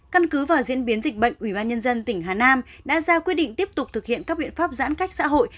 căn cứ vào diễn biến dịch bệnh ủy ban nhân dân tỉnh hà nam đã ra quyết định tiếp tục thực hiện các biện pháp giãn cách xã hội